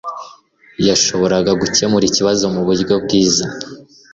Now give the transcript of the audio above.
yashoboraga gukemura ikibazo muburyo bwiza